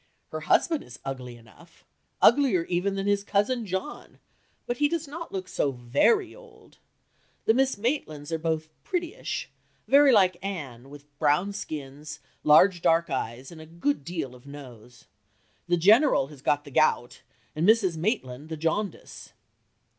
Her husband is ugly enough, uglier even than his cousin John; but he does not look so very old. The Miss Maitlands are both prettyish, very like Anne, with brown skins, large dark eyes, and a good deal of nose. The General has got the gout, and Mrs. Maitland the jaundice."